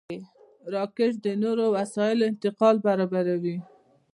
راکټ د نورو وسایلو انتقال برابروي